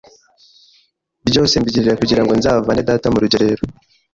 byose mbigirira kugira ngo nzavane data mu rugerero